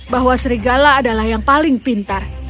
bahwa serigala adalah yang paling pintar